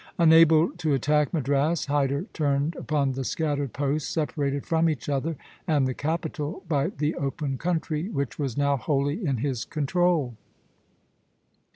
Unable to attack Madras, Hyder turned upon the scattered posts separated from each other and the capital by the open country, which was now wholly in his control.